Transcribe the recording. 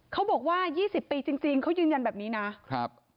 เขาบอกว่า๒๐ปีจริงเขายืนยันแบบนี้นะ